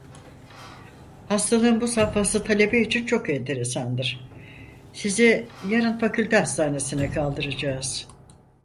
Hastalığın bu safhası talebe için çok enterasandır, sizi yarın fakülte hastanesine kaldıracağız!